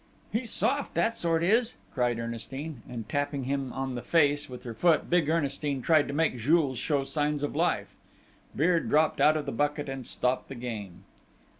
"He's soft that sort is!" cried Ernestine. And tapping him on the face with her foot, big Ernestine tried to make Jules show signs of life. Beard dropped out of the bucket and stopped the game.